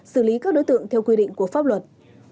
xử lý các đối tượng theo quy định của pháp luật